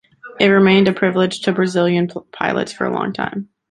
It remained a privilege to Brazilian pilots for a long time.